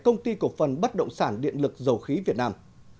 công ty cổ phần bất động sản điện lực dầu khí việt nam